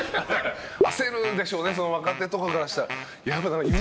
焦るでしょうね若手とかからしたら。